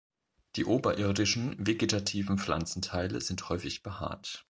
Die oberirdischen vegetativen Pflanzenteile sind häufig behaart.